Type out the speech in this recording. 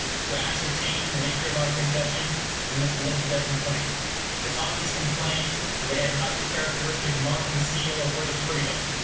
To ascertain the nature of our concession, we must look at their complaint. The Colonies complain that they have not the characteristic mark and seal of British freedom.